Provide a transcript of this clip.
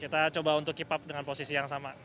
kita coba untuk keep up dengan posisi yang sama